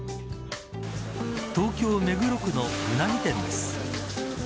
東京・目黒区のウナギ店です。